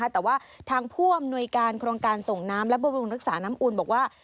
แต่ว่าทางภ่วมนวยการครองการส่งน้ำและบริมาณรักษาน้ำอูนบอกว่า